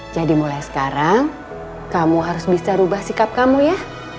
mulai sekarang kamu harus bisa rubah sikap kamu ya